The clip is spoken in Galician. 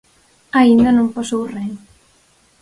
Aínda non pasou ren.